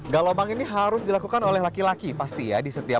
galobang ini harus dilakukan oleh laki laki pasti ya di setiap